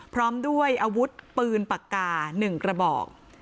พร้อมด้วยอาวุธปืนปากกา๑กระบอก